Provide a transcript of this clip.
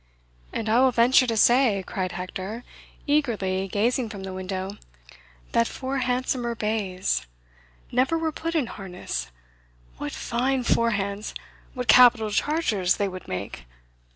"And I will venture to say," cried Hector, eagerly gazing from the window, "that four handsomer or better matched bays never were put in harness What fine forehands! what capital chargers they would make!